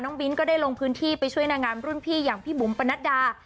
น้องบิ๊นก็ได้ลงพื้นที่ไปช่วยหน้างานรุ่นพี่อย่างพี่บุ๋มปณาดา